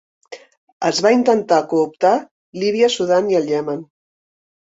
Es va intentar cooptar Líbia, Sudan i el Iemen.